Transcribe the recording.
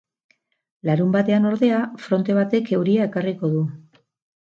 Larunbatean, ordea, fronte batek euria ekarriko du.